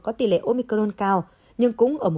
có tỷ lệ omicron cao